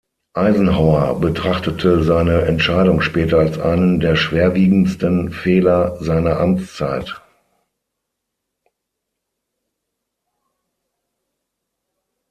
Eisenhower betrachtete seine Entscheidung später als einen der schwerwiegendsten Fehler seiner Amtszeit.